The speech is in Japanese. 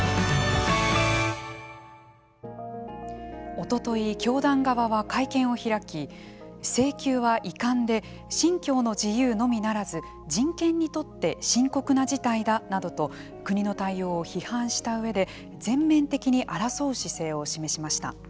おととい教団側は会見を開き請求は遺憾で信教の自由のみならず人権にとって深刻な事態だなどと国の対応を批判したうえで全面的に争う姿勢を示しました。